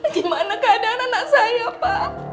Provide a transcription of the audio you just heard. di mana keadaan anak saya pak